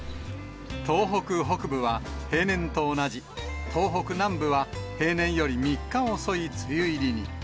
東北北部は、平年と同じ、東北南部は平年より３日遅い梅雨入りに。